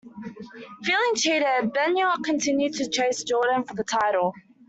Feeling cheated, Benoit continued to chase Jordan for the title.